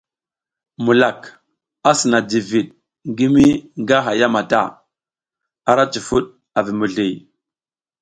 Mulak a sina jiviɗ ngi mi nga haya mata, ara cifud a vi mizli.